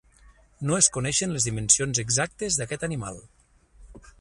No es coneixen les dimensions exactes d'aquest animal.